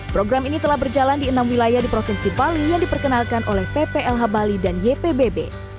program ini telah berjalan di enam wilayah di provinsi bali yang diperkenalkan oleh pplh bali dan ypbb